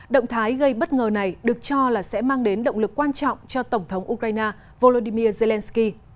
động thái gây bất ngờ này được cho là sẽ mang đến động lực quan trọng cho tổng thống ukraine volodymyr zelensky